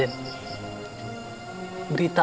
terus meng relatif